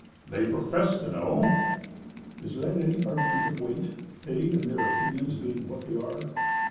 "They profess to know." "Is that any argument of weight, they and their opinions being what they are?